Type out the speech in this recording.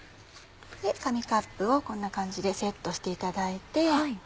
紙カップをこんな感じでセットしていただいて。